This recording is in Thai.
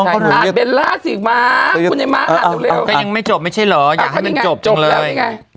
ใครยังไม่เจอไม่ใช่เหรออยากให้มันจบจังเลย